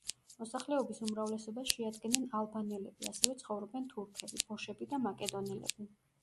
მოსახლეობის უმრავლესობას შეადგენენ ალბანელები, ასევე ცხოვრობენ თურქები, ბოშები და მაკედონელები.